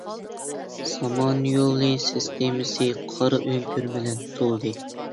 سامانيولى سىستېمىسى قارا ئۆڭكۈر بىلەن تولدى.